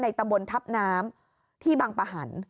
ในตะบนทับน้ำที่บางประหัน